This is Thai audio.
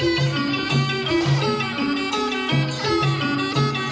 โอเคครับ